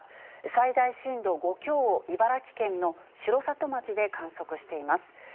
最大震度５強を茨城県の城里町で観測しています。